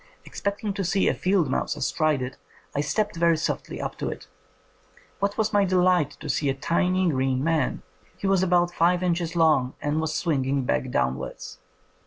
Expect ing to see a field mouse astride it, I stepped very softly up to it. What was my delight to see a tiny green man. He was about five inches long, and was swinging back down wards.